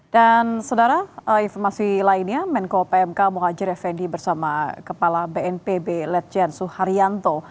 dan saudara informasi lainnya menko pmk muhajir effendi bersama kepala bnpb ledjian suharyanto